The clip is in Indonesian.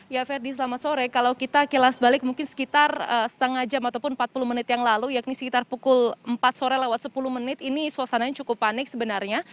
ya ferdi selamat sore kalau kita kilas balik mungkin sekitar setengah jam ataupun empat puluh menit yang lalu yakni sekitar pukul empat sore lewat sepuluh menit ini suasananya cukup panik sebenarnya